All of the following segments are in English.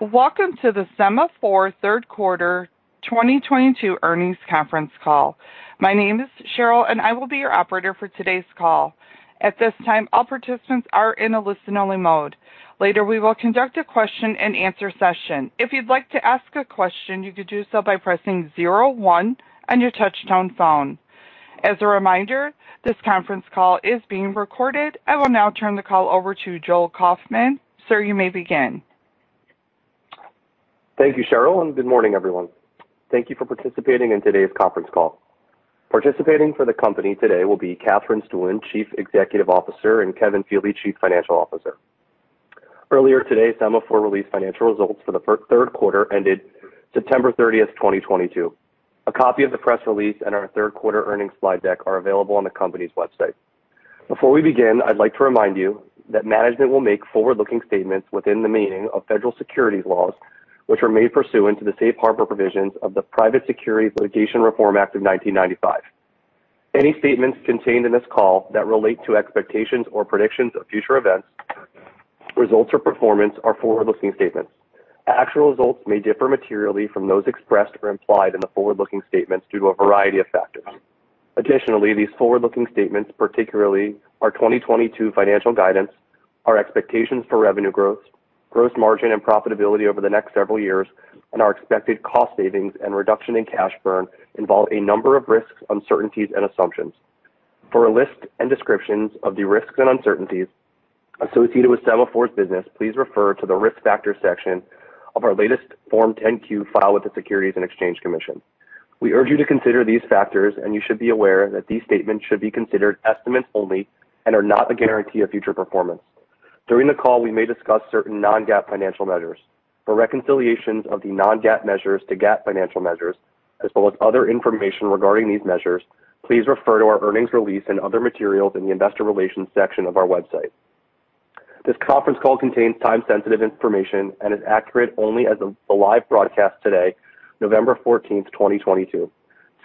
Welcome to the Sema4 third quarter 2022 earnings conference call. My name is Cheryl and I will be your operator for today's call. At this time, all participants are in a listen only mode. Later, we will conduct a question-and-answer session. If you'd like to ask a question, you could do so by pressing zero one on your touchtone phone. As a reminder, this conference call is being recorded. I will now turn the call over to Joel Kaufman. Sir, you may begin. Thank you, Cheryl, and good morning, everyone. Thank you for participating in today's conference call. Participating for the company today will be Katherine Stueland, Chief Executive Officer, and Kevin Feeley, Chief Financial Officer. Earlier today, Sema4 released financial results for the third quarter ended September 30, 2022. A copy of the press release and our third quarter earnings slide deck are available on the company's website. Before we begin, I'd like to remind you that management will make forward-looking statements within the meaning of federal securities laws, which are made pursuant to the Safe Harbor provisions of the Private Securities Litigation Reform Act of 1995. Any statements contained in this call that relate to expectations or predictions of future events, results or performance are forward-looking statements. Actual results may differ materially from those expressed or implied in the forward-looking statements due to a variety of factors. Additionally, these forward-looking statements, particularly our 2022 financial guidance, our expectations for revenue growth, gross margin and profitability over the next several years, and our expected cost savings and reduction in cash burn, involve a number of risks, uncertainties and assumptions. For a list and descriptions of the risks and uncertainties associated with Sema4's business, please refer to the Risk Factors section of our latest Form 10-Q filed with the Securities and Exchange Commission. We urge you to consider these factors, and you should be aware that these statements should be considered estimates only and are not a guarantee of future performance. During the call, we may discuss certain non-GAAP financial measures. For reconciliations of the non-GAAP measures to GAAP financial measures, as well as other information regarding these measures, please refer to our earnings release and other materials in the Investor Relations section of our website. This conference call contains time-sensitive information and is accurate only as of the live broadcast today, November fourteenth, 2022.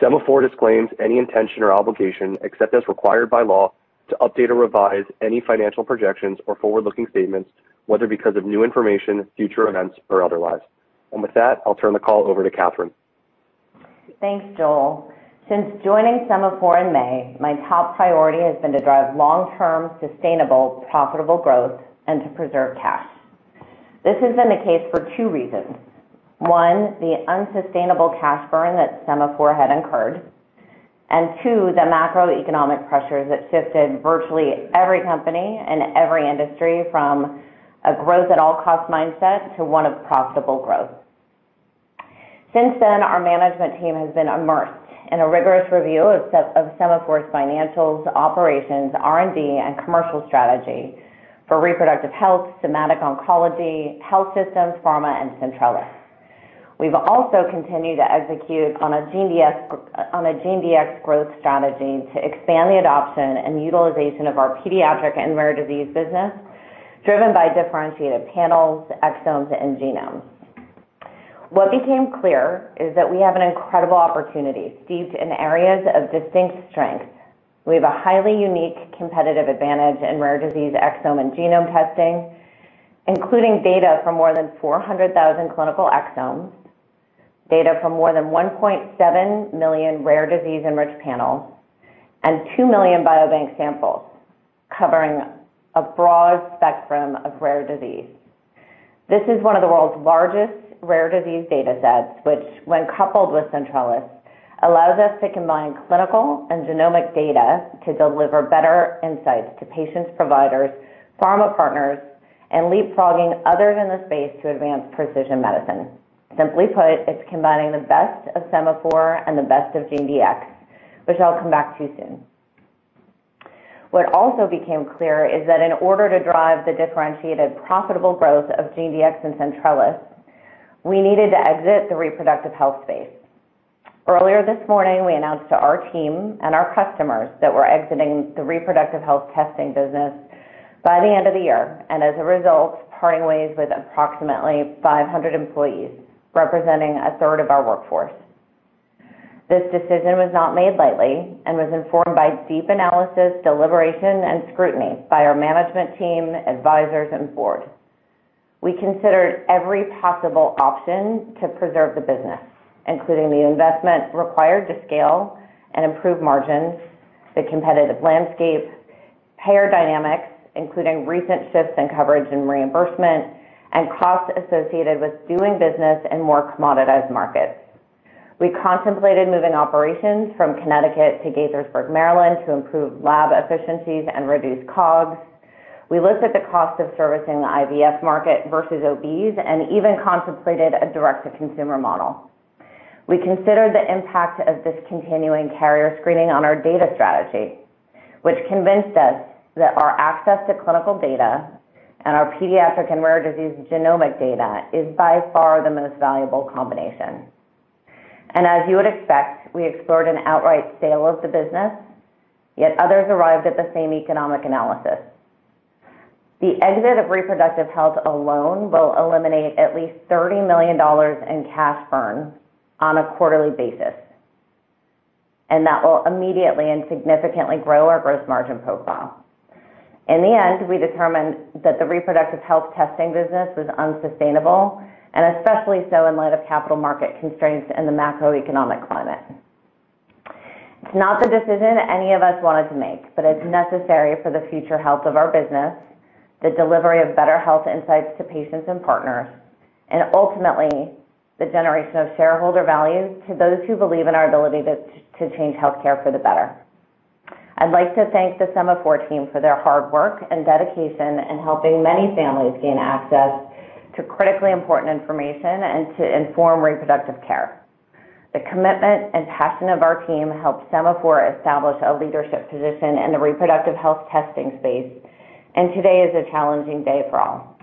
Sema4 disclaims any intention or obligation, except as required by law, to update or revise any financial projections or forward-looking statements, whether because of new information, future events or otherwise. With that, I'll turn the call over to Katherine. Thanks, Joel. Since joining Sema4 in May, my top priority has been to drive long-term, sustainable, profitable growth and to preserve cash. This has been the case for two reasons. One, the unsustainable cash burn that Sema4 had incurred, and two, the macroeconomic pressures that shifted virtually every company and every industry from a growth at all cost mindset to one of profitable growth. Since then, our management team has been immersed in a rigorous review of Sema4's financials, operations, R&D, and commercial strategy for reproductive health, somatic oncology, health systems, pharma, and Centrellis. We've also continued to execute on a GeneDx growth strategy to expand the adoption and utilization of our pediatric and rare disease business, driven by differentiated panels, exomes, and genomes. What became clear is that we have an incredible opportunity steeped in areas of distinct strength. We have a highly unique competitive advantage in rare disease exome and genome testing, including data from more than 400,000 clinical exomes, data from more than 1.7 million rare disease-enriched panels, and 2 million biobank samples covering a broad spectrum of rare disease. This is one of the world's largest rare disease datasets, which when coupled with Centrellis, allows us to combine clinical and genomic data to deliver better insights to patients, providers, pharma partners, and leapfrogging others in the space to advance precision medicine. Simply put, it's combining the best of Sema4 and the best of GeneDx, which I'll come back to soon. What also became clear is that in order to drive the differentiated profitable growth of GeneDx and Centrellis, we needed to exit the reproductive health space. Earlier this morning, we announced to our team and our customers that we're exiting the reproductive health testing business by the end of the year, and as a result, parting ways with approximately 500 employees, representing a third of our workforce. This decision was not made lightly and was informed by deep analysis, deliberation, and scrutiny by our management team, advisors, and board. We considered every possible option to preserve the business, including the investment required to scale and improve margins, the competitive landscape, payer dynamics, including recent shifts in coverage and reimbursement, and costs associated with doing business in more commoditized markets. We contemplated moving operations from Connecticut to Gaithersburg, Maryland, to improve lab efficiencies and reduce COGS. We looked at the cost of servicing the IVF market versus OBs and even contemplated a direct-to-consumer model. We considered the impact of discontinuing carrier screening on our data strategy, which convinced us that our access to clinical data and our pediatric and rare disease genomic data is by far the most valuable combination. As you would expect, we explored an outright sale of the business, yet others arrived at the same economic analysis. The exit of reproductive health alone will eliminate at least $30 million in cash burn on a quarterly basis. That will immediately and significantly grow our gross margin profile. In the end, we determined that the reproductive health testing business was unsustainable, and especially so in light of capital market constraints and the macroeconomic climate. It's not the decision any of us wanted to make, but it's necessary for the future health of our business, the delivery of better health insights to patients and partners, and ultimately, the generation of shareholder value to those who believe in our ability to change healthcare for the better. I'd like to thank the Sema4 team for their hard work and dedication in helping many families gain access to critically important information and to inform reproductive care. The commitment and passion of our team helped Sema4 establish a leadership position in the reproductive health testing space, and today is a challenging day for all.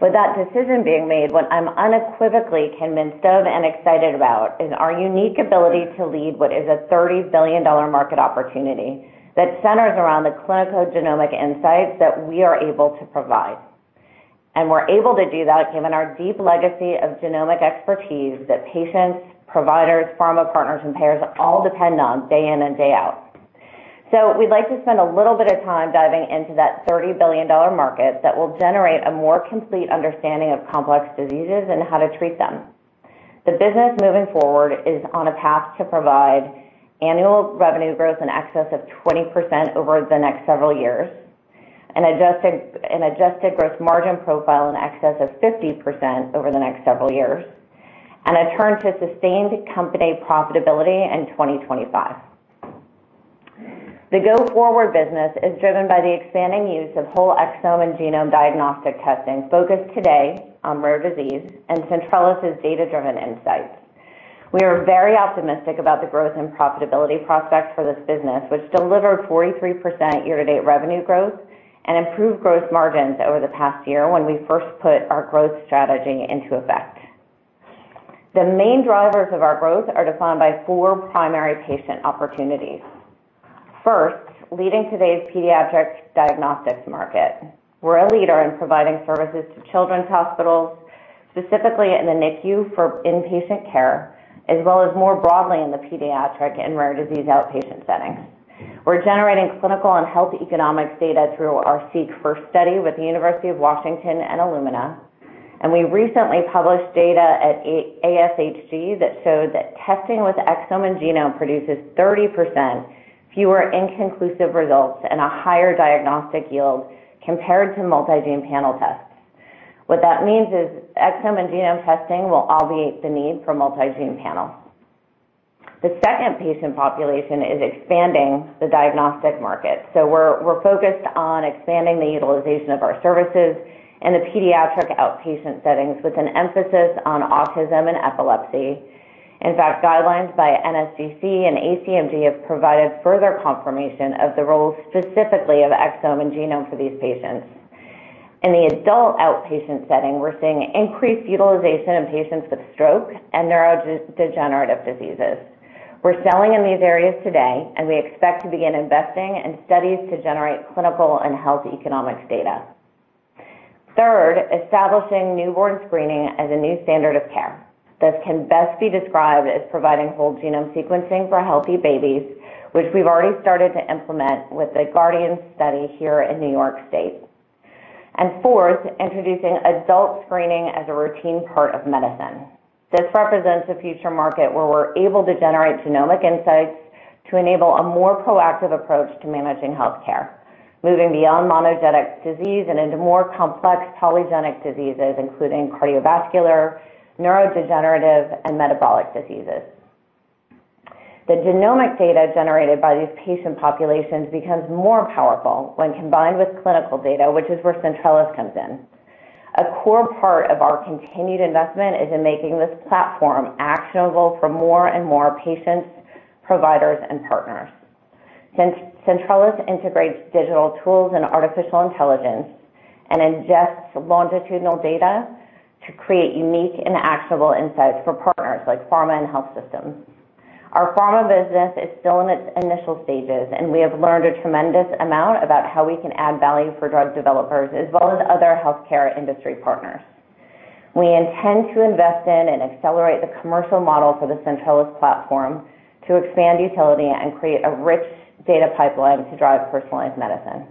With that decision being made, what I'm unequivocally convinced of and excited about is our unique ability to lead what is a $30 billion market opportunity that centers around the clinical genomic insights that we are able to provide. We're able to do that given our deep legacy of genomic expertise that patients, providers, pharma partners, and payers all depend on day in and day out. We'd like to spend a little bit of time diving into that $30 billion market that will generate a more complete understanding of complex diseases and how to treat them. The business moving forward is on a path to provide annual revenue growth in excess of 20% over the next several years, an adjusted gross margin profile in excess of 50% over the next several years, and a turn to sustained company profitability in 2025. The go-forward business is driven by the expanding use of whole exome and genome diagnostic testing, focused today on rare disease and Centrellis' data-driven insights. We are very optimistic about the growth and profitability prospects for this business, which delivered 43% year-to-date revenue growth and improved gross margins over the past year when we first put our growth strategy into effect. The main drivers of our growth are defined by four primary patient opportunities. First, leading today's pediatrics diagnostics market. We're a leader in providing services to children's hospitals, specifically in the NICU for inpatient care, as well as more broadly in the pediatric and rare disease outpatient settings. We're generating clinical and health economics data through our SeqFirst study with the University of Washington and Illumina, and we recently published data at ASHG that showed that testing with exome and genome produces 30% fewer inconclusive results and a higher diagnostic yield compared to multi-gene panel tests. What that means is exome and genome testing will alleviate the need for multi-gene panels. The second patient population is expanding the diagnostic market. We're focused on expanding the utilization of our services in the pediatric outpatient settings with an emphasis on autism and epilepsy. In fact, guidelines by NSGC and ACMG have provided further confirmation of the role specifically of exome and genome for these patients. In the adult outpatient setting, we're seeing increased utilization in patients with stroke and neurodegenerative diseases. We're selling in these areas today, and we expect to begin investing in studies to generate clinical and health economics data. Third, establishing newborn screening as a new standard of care. This can best be described as providing whole-genome sequencing for healthy babies, which we've already started to implement with the Guardian study here in New York State. Fourth, introducing adult screening as a routine part of medicine. This represents a future market where we're able to generate genomic insights to enable a more proactive approach to managing healthcare, moving beyond monogenic disease and into more complex polygenic diseases, including cardiovascular, neurodegenerative, and metabolic diseases. The genomic data generated by these patient populations becomes more powerful when combined with clinical data, which is where Centrellis comes in. A core part of our continued investment is in making this platform actionable for more and more patients, providers, and partners. Centrellis integrates digital tools and artificial intelligence and ingests longitudinal data to create unique and actionable insights for partners like pharma and health systems. Our pharma business is still in its initial stages, and we have learned a tremendous amount about how we can add value for drug developers as well as other healthcare industry partners. We intend to invest in and accelerate the commercial model for the Centrellis platform to expand utility and create a rich data pipeline to drive personalized medicine.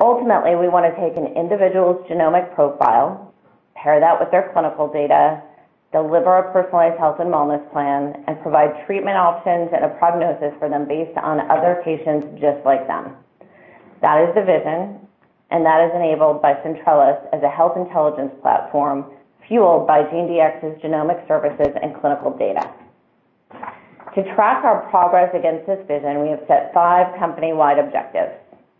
Ultimately, we want to take an individual's genomic profile, pair that with their clinical data, deliver a personalized health and wellness plan, and provide treatment options and a prognosis for them based on other patients just like them. That is the vision, and that is enabled by Centrellis as a health intelligence platform fueled by GeneDx's genomic services and clinical data. To track our progress against this vision, we have set five company-wide objectives.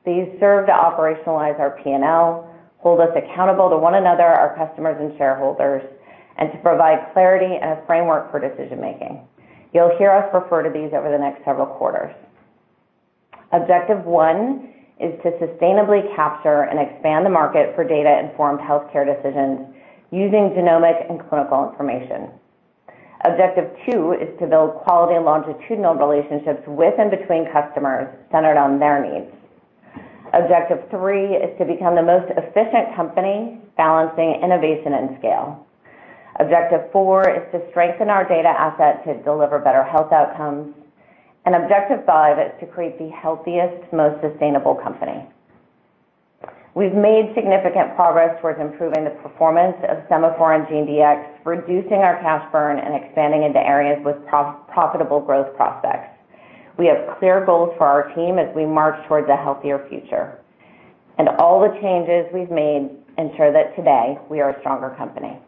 These serve to operationalize our P&L, hold us accountable to one another, our customers and shareholders, and to provide clarity and a framework for decision-making. You'll hear us refer to these over the next several quarters. Objective one is to sustainably capture and expand the market for data-informed healthcare decisions using genomic and clinical information. Objective two is to build quality longitudinal relationships with and between customers centered on their needs. Objective three is to become the most efficient company balancing innovation and scale. Objective four is to strengthen our data asset to deliver better health outcomes. Objective five is to create the healthiest, most sustainable company. We've made significant progress towards improving the performance of Sema4 and GeneDx, reducing our cash burn, and expanding into areas with profitable growth prospects. We have clear goals for our team as we march towards a healthier future. All the changes we've made ensure that today we are a stronger company.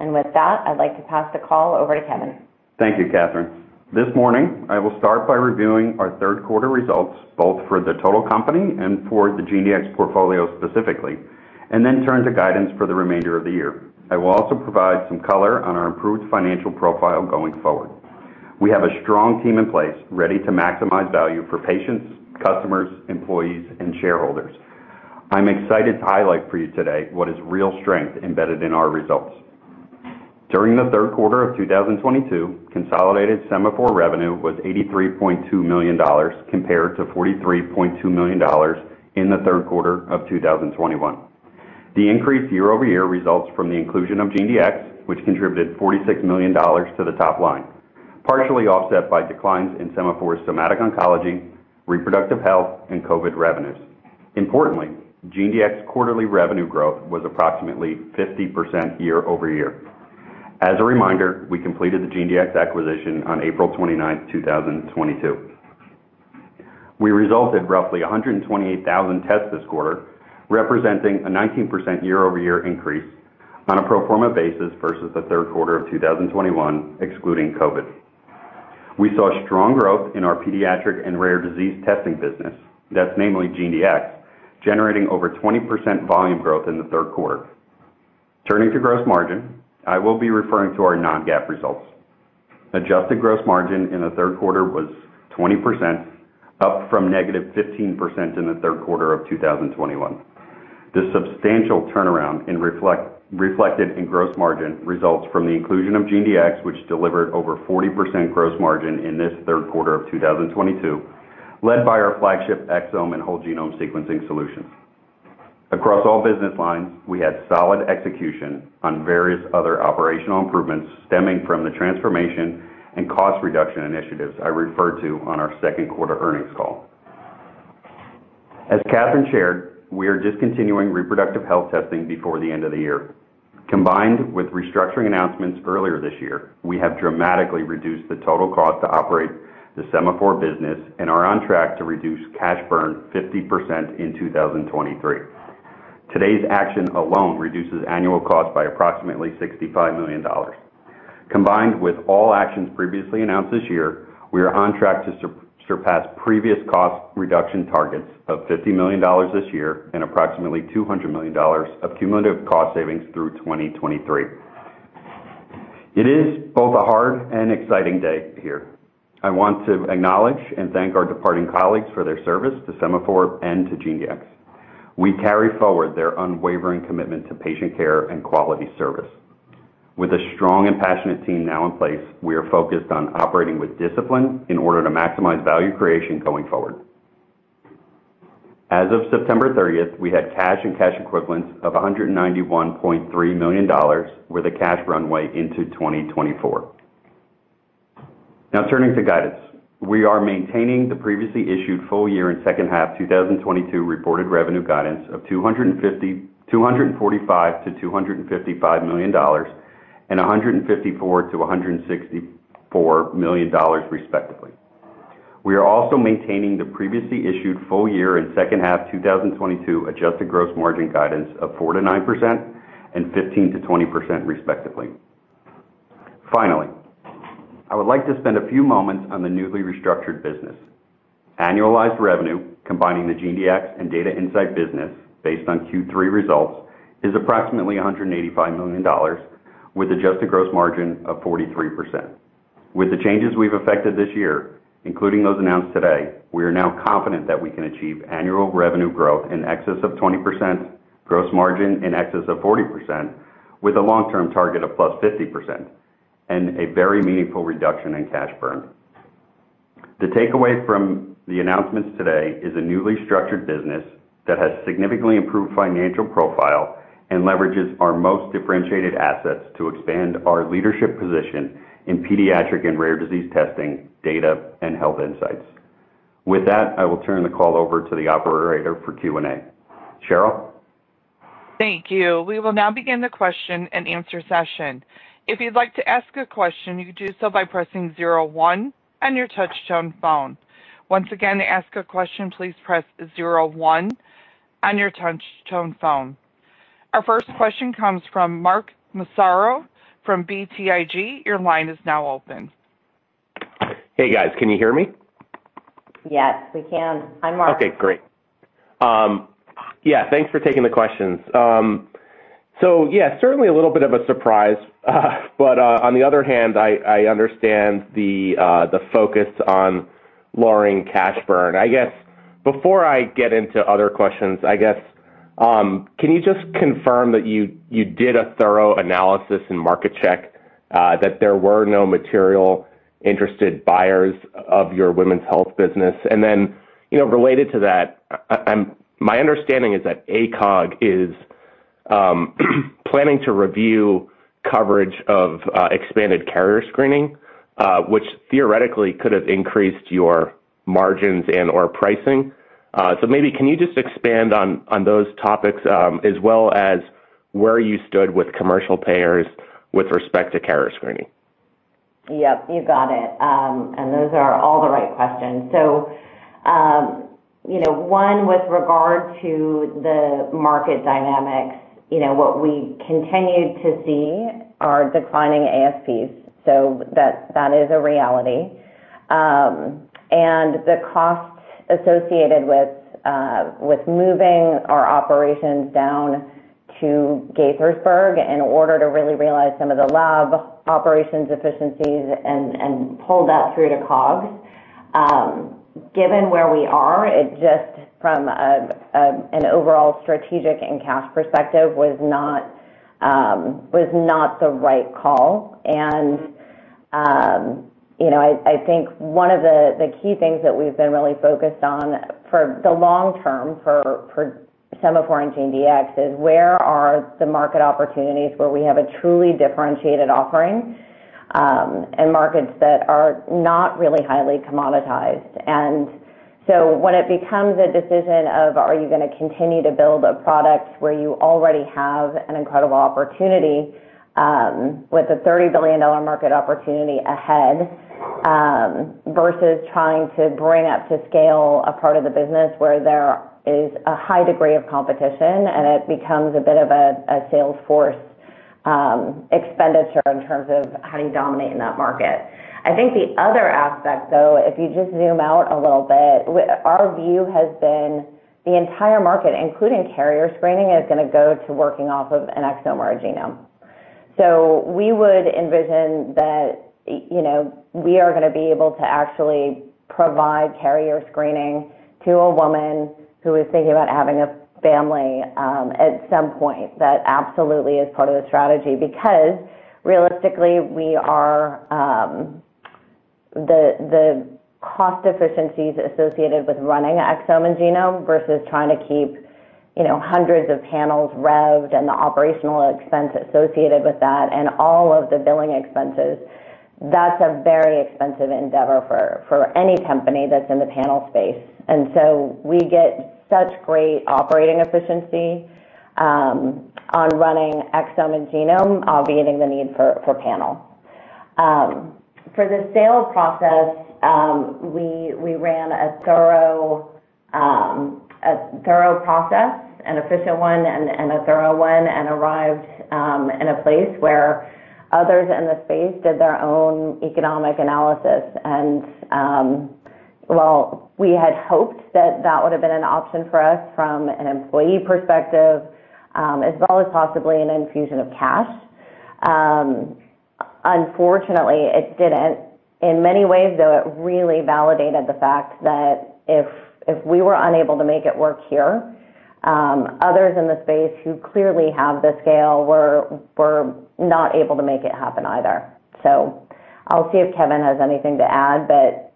With that, I'd like to pass the call over to Kevin. Thank you, Katherine. This morning, I will start by reviewing our third quarter results, both for the total company and for the GeneDx portfolio specifically, and then turn to guidance for the remainder of the year. I will also provide some color on our improved financial profile going forward. We have a strong team in place ready to maximize value for patients, customers, employees, and shareholders. I'm excited to highlight for you today what is real strength embedded in our results. During the third quarter of 2022, consolidated Sema4 revenue was $83.2 million compared to $43.2 million in the third quarter of 2021. The increase year-over-year results from the inclusion of GeneDx, which contributed $46 million to the top line, partially offset by declines in Sema4's somatic oncology, reproductive health, and COVID revenues. Importantly, GeneDx quarterly revenue growth was approximately 50% year-over-year. As a reminder, we completed the GeneDx acquisition on April 29th, 2022. We resulted roughly 128,000 tests this quarter, representing a 19% year-over-year increase on a pro forma basis versus the third quarter of 2021, excluding COVID. We saw strong growth in our pediatric and rare disease testing business, that's namely GeneDx, generating over 20% volume growth in the third quarter. Turning to gross margin, I will be referring to our non-GAAP results. Adjusted gross margin in the third quarter was 20%, up from -15% in the third quarter of 2021. This substantial turnaround reflected in gross margin results from the inclusion of GeneDx, which delivered over 40% gross margin in this third quarter of 2022, led by our flagship exome and whole genome sequencing solutions. Across all business lines, we had solid execution on various other operational improvements stemming from the transformation and cost reduction initiatives I referred to on our second quarter earnings call. As Katherine shared, we are discontinuing reproductive health testing before the end of the year. Combined with restructuring announcements earlier this year, we have dramatically reduced the total cost to operate the Sema4 business and are on track to reduce cash burn 50% in 2023. Today's action alone reduces annual cost by approximately $65 million. Combined with all actions previously announced this year, we are on track to surpass previous cost reduction targets of $50 million this year and approximately $200 million of cumulative cost savings through 2023. It is both a hard and exciting day here. I want to acknowledge and thank our departing colleagues for their service to Sema4 and to GeneDx. We carry forward their unwavering commitment to patient care and quality service. With a strong and passionate team now in place, we are focused on operating with discipline in order to maximize value creation going forward. As of September thirtieth, we had cash and cash equivalents of $191.3 million, with a cash runway into 2024. Now turning to guidance. We are maintaining the previously issued full year and second half 2022 reported revenue guidance of $245 million-$255 million and $154 million-$164 million, respectively. We are also maintaining the previously issued full year and second half 2022 adjusted gross margin guidance of 4%-9% and 15%-20%, respectively. Finally, I would like to spend a few moments on the newly restructured business. Annualized revenue, combining the GeneDx and Data Insights business based on Q3 results, is approximately $185 million, with adjusted gross margin of 43%. With the changes we've effected this year, including those announced today, we are now confident that we can achieve annual revenue growth in excess of 20%, gross margin in excess of 40%, with a long-term target of +50%, and a very meaningful reduction in cash burn. The takeaway from the announcements today is a newly structured business that has significantly improved financial profile and leverages our most differentiated assets to expand our leadership position in pediatric and rare disease testing, data, and health insights. With that, I will turn the call over to the operator for Q&A. Cheryl? Thank you. We will now begin the question-and-answer session. If you'd like to ask a question, you can do so by pressing zero one on your touch-tone phone. Once again, to ask a question, please press zero one on your touch-tone phone. Our first question comes from Mark Massaro from BTIG. Your line is now open. Hey, guys. Can you hear me? Yes, we can. Hi, Mark. Okay, great. Yeah, thanks for taking the questions. So yeah, certainly a little bit of a surprise. But on the other hand, I understand the focus on lowering cash burn. I guess before I get into other questions, I guess, can you just confirm that you did a thorough analysis and market check, that there were no material interested buyers of your women's health business? And then, you know, related to that, my understanding is that ACOG is planning to review coverage of expanded carrier screening, which theoretically could have increased your margins and/or pricing. So maybe can you just expand on those topics, as well as where you stood with commercial payers with respect to carrier screening? Yep, you got it. Those are all the right questions. You know, one, with regard to the market dynamics, you know, what we continued to see are declining ASPs, so that is a reality. The cost associated with moving our operations down to Gaithersburg in order to really realize some of the lab operations efficiencies and pull that through to COGS. Given where we are, it just, from an overall strategic and cash perspective, was not the right call. You know, I think one of the key things that we've been really focused on for the long term for Sema4 and GeneDx is where are the market opportunities where we have a truly differentiated offering, and markets that are not really highly commoditized. When it becomes a decision of are you gonna continue to build a product where you already have an incredible opportunity, with a $30 billion market opportunity ahead, versus trying to bring up to scale a part of the business where there is a high degree of competition and it becomes a bit of a sales force expenditure in terms of how do you dominate in that market. I think the other aspect though, if you just zoom out a little bit, our view has been the entire market, including carrier screening, is gonna go to working off of an exome or a genome. We would envision that, you know, we are gonna be able to actually provide carrier screening to a woman who is thinking about having a family, at some point. That absolutely is part of the strategy because realistically, we are. The cost efficiencies associated with running exome and genome versus trying to keep, you know, hundreds of panels revved and the operational expense associated with that and all of the billing expenses, that's a very expensive endeavor for any company that's in the panel space. We get such great operating efficiency on running exome and genome, obviating the need for panel. For the sales process, we ran a thorough process, an efficient one and a thorough one, and arrived in a place where others in the space did their own economic analysis. While we had hoped that that would've been an option for us from an employee perspective, as well as possibly an infusion of cash, unfortunately, it didn't. In many ways, though, it really validated the fact that if we were unable to make it work here, others in the space who clearly have the scale were not able to make it happen either. I'll see if Kevin has anything to add, but,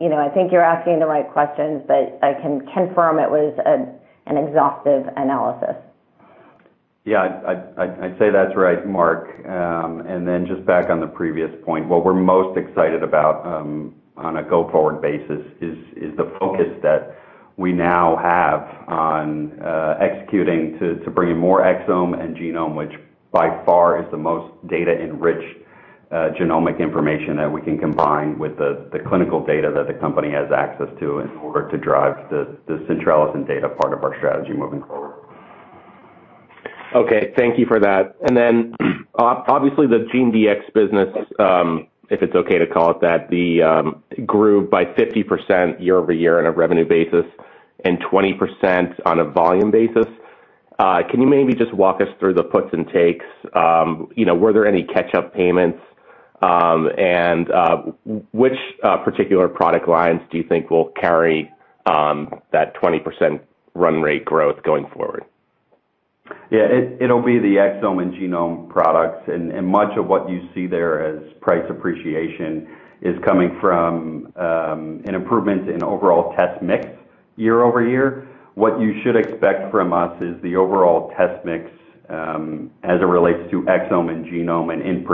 you know, I think you're asking the right questions, but I can confirm it was an exhaustive analysis. Yeah, I'd say that's right, Mark. Just back on the previous point, what we're most excited about on a go-forward basis is the focus that we now have on executing to bring in more exome and genome, which by far is the most data-enriched genomic information that we can combine with the clinical data that the company has access to in order to drive the Centrellis and data part of our strategy moving forward. Okay, thank you for that. Obviously, the GeneDx business, if it's okay to call it that, grew by 50% year-over-year on a revenue basis and 20% on a volume basis. Can you maybe just walk us through the puts and takes? You know, were there any catch-up payments? Which particular product lines do you think will carry that 20% run rate growth going forward? Yeah, it'll be the exome and genome products, and much of what you see there as price appreciation is coming from an improvement in overall test mix year over year. What you should expect from us is the overall test mix as it relates to exome and genome, and in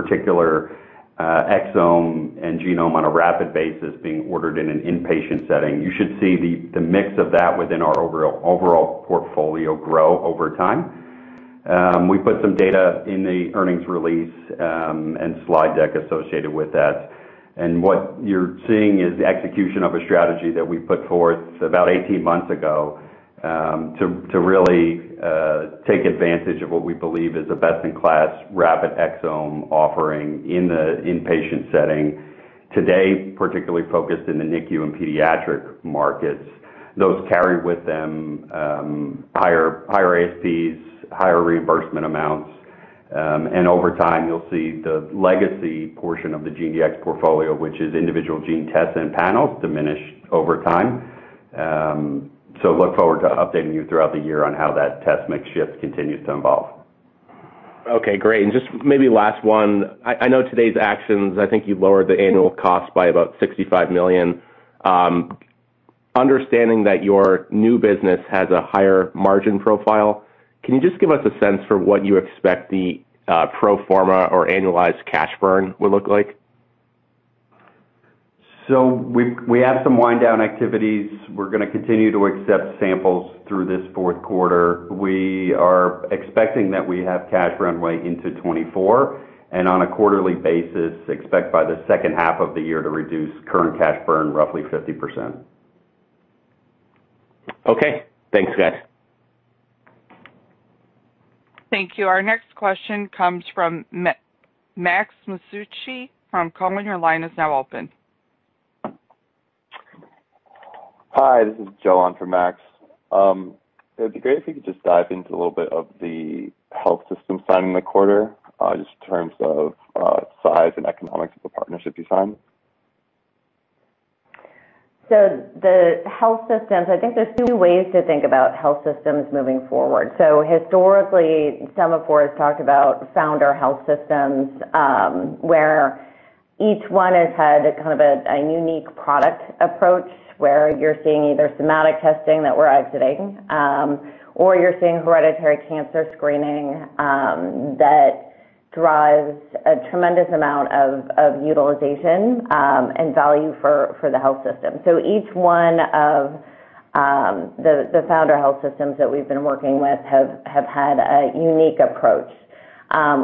particular exome and genome on a rapid basis being ordered in an inpatient setting. You should see the mix of that within our overall portfolio grow over time. We put some data in the earnings release and slide deck associated with that. What you're seeing is the execution of a strategy that we put forth about 18 months ago to really take advantage of what we believe is a best-in-class rapid exome offering in the inpatient setting. Today, particularly focused in the NICU and pediatric markets. Those carry with them, higher ASPs, higher reimbursement amounts, and over time, you'll see the legacy portion of the GeneDx portfolio, which is individual gene tests and panels, diminish over time. Look forward to updating you throughout the year on how that test mix shift continues to evolve. Okay, great. Just maybe last one. I know today's actions, I think you've lowered the annual cost by about $65 million. Understanding that your new business has a higher margin profile, can you just give us a sense for what you expect the pro forma or annualized cash burn will look like? We have some wind down activities. We're gonna continue to accept samples through this fourth quarter. We are expecting that we have cash runway into 2024, and on a quarterly basis, expect by the second half of the year to reduce current cash burn roughly 50%. Okay. Thanks, guys. Thank you. Our next question comes from Max Masucci from Cowen. Your line is now open. Hi, this is Joe on for Max. It'd be great if you could just dive into a little bit of the health system signings in the quarter, just in terms of size and economics of the partnerships you signed. The health systems, I think there's two ways to think about health systems moving forward. Historically, Sema4 has talked about founder health systems, where each one has had kind of a unique product approach, where you're seeing either somatic testing that we're exiting, or you're seeing hereditary cancer screening, that drives a tremendous amount of utilization, and value for the health system. Each one of the founder health systems that we've been working with have had a unique approach.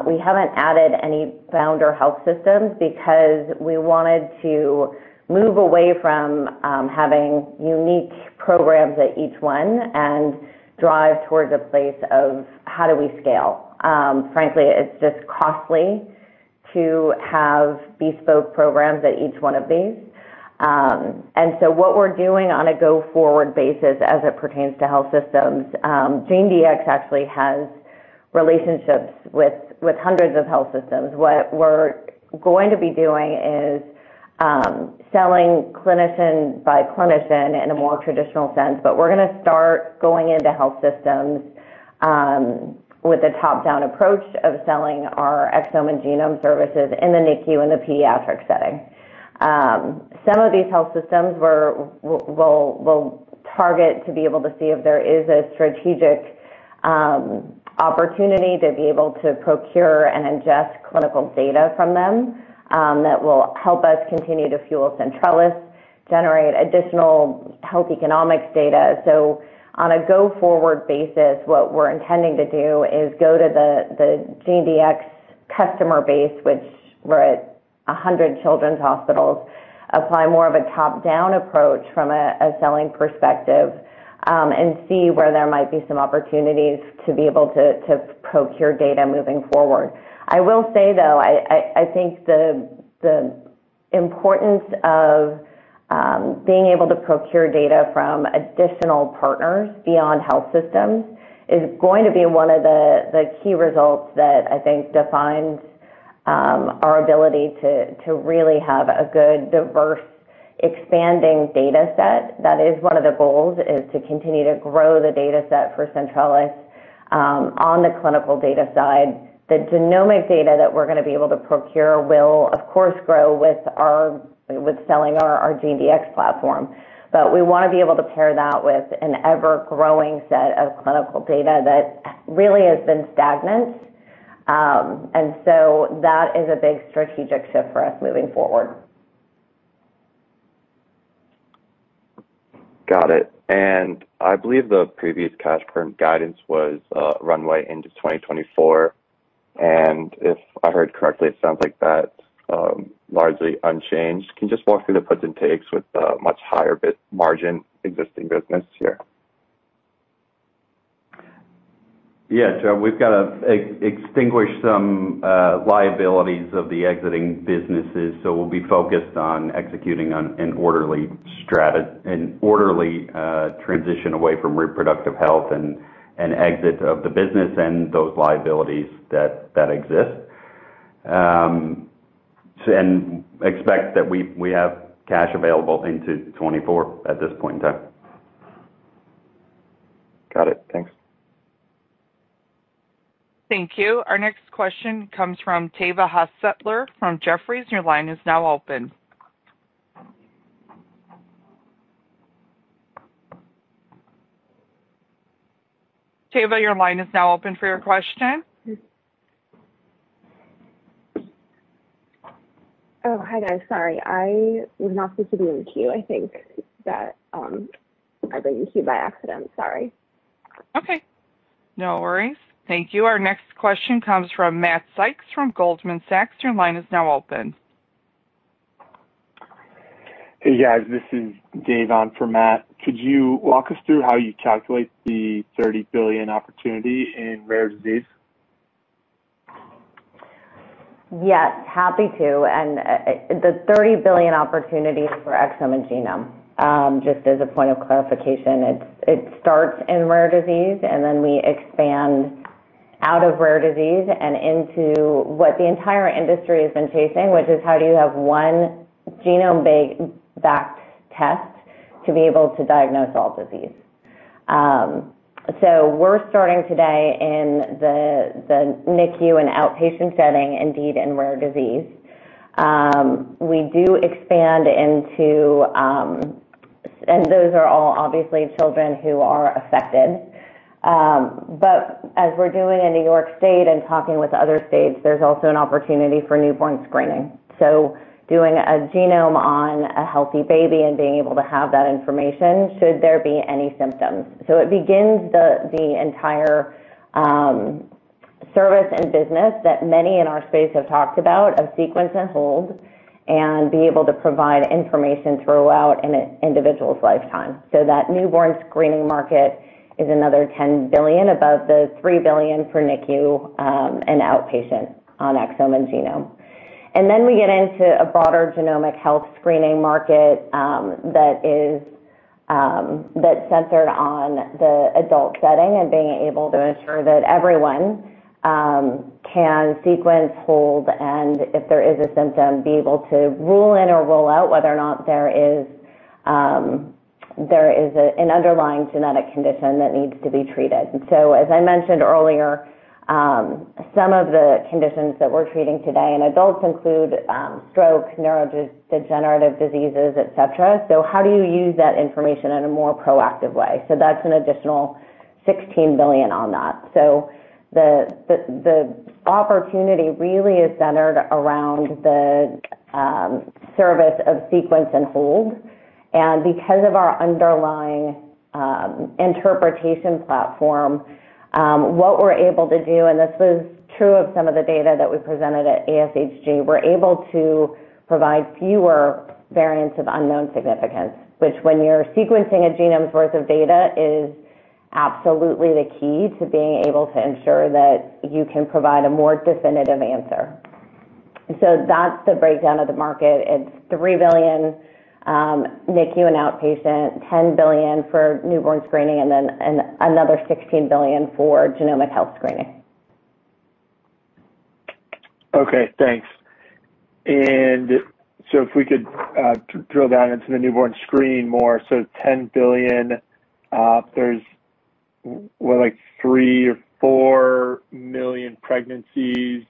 We haven't added any founder health systems because we wanted to move away from having unique programs at each one and drive towards a place of how do we scale. Frankly, it's just costly to have bespoke programs at each one of these. What we're doing on a go-forward basis as it pertains to health systems, GeneDx actually has relationships with hundreds of health systems. What we're going to be doing is selling clinician by clinician in a more traditional sense, but we're gonna start going into health systems with a top-down approach of selling our exome and genome services in the NICU and the pediatric setting. Some of these health systems we'll target to be able to see if there is a strategic opportunity to be able to procure and ingest clinical data from them, that will help us continue to fuel Centrellis, generate additional health economics data. On a go-forward basis, what we're intending to do is go to the GeneDx customer base, which we're at 100 children's hospitals, apply more of a top-down approach from a selling perspective, and see where there might be some opportunities to procure data moving forward. I will say, though, I think the importance of being able to procure data from additional partners beyond health systems is going to be one of the key results that I think defines our ability to really have a good, diverse, expanding data set. That is one of the goals, is to continue to grow the data set for Centrellis on the clinical data side. The genomic data that we're gonna be able to procure will of course grow with selling our GeneDx platform. We wanna be able to pair that with an ever-growing set of clinical data that really has been stagnant. That is a big strategic shift for us moving forward. Got it. I believe the previous cash burn guidance was runway into 2024. If I heard correctly, it sounds like that's largely unchanged. Can you just walk through the puts and takes with the much higher EBIT margin existing business here? Yeah, Joe, we've got to extinguish some liabilities of the exiting businesses. We'll be focused on executing on an orderly transition away from reproductive health and exit of the business and those liabilities that exist. We expect that we have cash available into 2024 at this point in time. Got it. Thanks. Thank you. Our next question comes from Tejas Savant from Jefferies. Your line is now open. Tejas, your line is now open for your question. Oh, hi guys. Sorry. I was not supposed to be in queue. I think that, I was in queue by accident. Sorry. Okay. No worries. Thank you. Our next question comes from Matthew Sykes from Goldman Sachs. Your line is now open. Hey, guys. This is Dave on for Matt. Could you walk us through how you calculate the $30 billion opportunity in rare disease? Yes, happy to. The $30 billion opportunity for exome and genome, just as a point of clarification, it starts in rare disease, and then we expand out of rare disease and into what the entire industry has been chasing, which is how do you have one genome-based test to be able to diagnose all disease. We're starting today in the NICU and outpatient setting, indeed in rare disease. Those are all obviously children who are affected. As we're doing in New York State and talking with other states, there's also an opportunity for newborn screening. Doing a genome on a healthy baby and being able to have that information should there be any symptoms. It begins the entire service and business that many in our space have talked about of sequence and hold and be able to provide information throughout an individual's lifetime. That newborn screening market is another $10 billion above the $3 billion for NICU and outpatient on exome and genome. Then we get into a broader genomic health screening market that is, that's centered on the adult setting and being able to ensure that everyone can sequence, hold, and if there is a symptom, be able to rule in or rule out whether or not there is an underlying genetic condition that needs to be treated. As I mentioned earlier, some of the conditions that we're treating today in adults include stroke, neurodegenerative diseases, et cetera. How do you use that information in a more proactive way? That's an additional $16 billion on that. The opportunity really is centered around the service of sequence and hold. And because of our underlying interpretation platform, what we're able to do, and this is true of some of the data that we presented at ASHG, we're able to provide fewer variants of uncertain significance, which when you're sequencing a genome's worth of data, is absolutely the key to being able to ensure that you can provide a more definitive answer. That's the breakdown of the market. It's $3 billion NICU and outpatient, $10 billion for newborn screening, and then another $16 billion for genomic health screening. Okay, thanks. If we could drill down into the newborn screen more. $10 billion, there's what, like 3 or 4 million pregnancies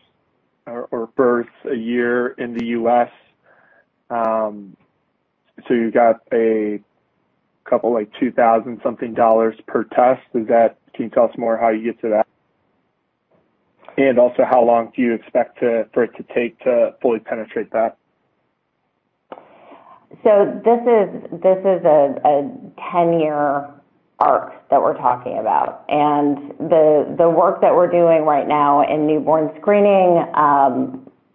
or births a year in the U.S. You've got a couple, like $2,000-something per test. Can you tell us more how you get to that? Also, how long do you expect for it to take to fully penetrate that? This is a 10-year arc that we're talking about. The work that we're doing right now in newborn screening,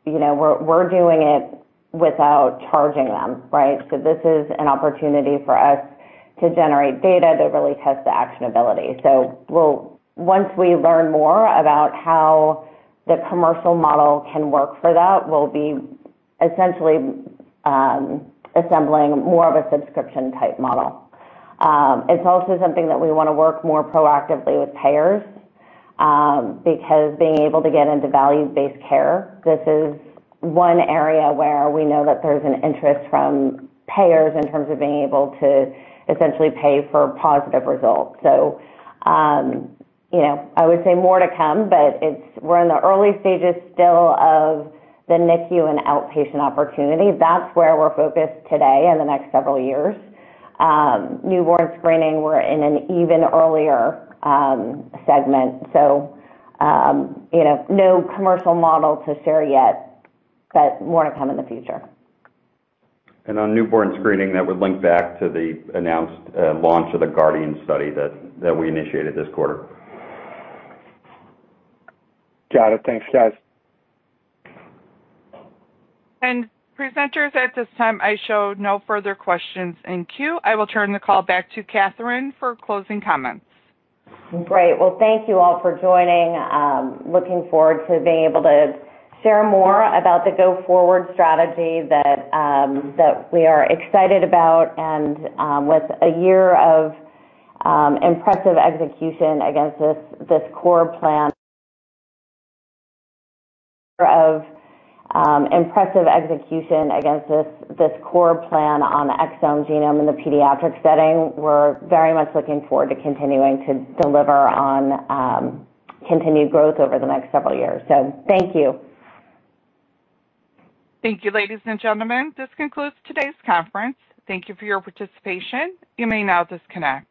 you know, we're doing it without charging them, right? This is an opportunity for us to generate data that really tests the actionability. Once we learn more about how the commercial model can work for that, we'll be essentially assembling more of a subscription type model. It's also something that we wanna work more proactively with payers, because being able to get into values-based care, this is one area where we know that there's an interest from payers in terms of being able to essentially pay for positive results. You know, I would say more to come, but we're in the early stages still of the NICU and outpatient opportunity. That's where we're focused today and the next several years. Newborn screening, we're in an even earlier, segment, so, you know, no commercial model to share yet, but more to come in the future. On newborn screening, that would link back to the announced launch of the Guardian study that we initiated this quarter. Got it. Thanks, guys. Presenters, at this time I show no further questions in queue. I will turn the call back to Katherine for closing comments. Great. Well, thank you all for joining. Looking forward to being able to share more about the go-forward strategy that we are excited about. With a year of impressive execution against this core plan on the exome genome in the pediatric setting, we're very much looking forward to continuing to deliver on continued growth over the next several years. Thank you. Thank you, ladies and gentlemen. This concludes today's conference. Thank you for your participation. You may now disconnect.